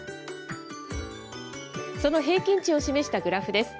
その平均値を示したグラフです。